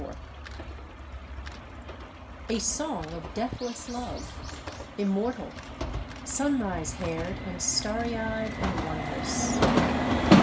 XXIV A song of deathless Love, immortal, Sunrise haired and starry eyed and wondrous.